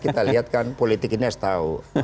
kita lihat kan politik ini harus tahu